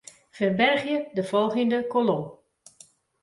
Ferbergje de folgjende kolom.